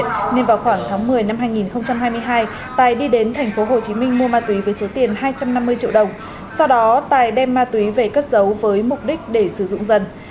sau đó tài đem ma túy về cất giấu với mục đích để sử dụng dần